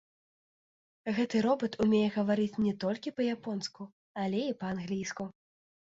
Гэты робат умее гаварыць не толькі па-японску, але і па-англійску.